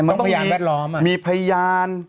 มันต้องมีพยาน